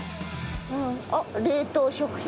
あっ冷凍食品。